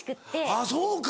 あっそうか。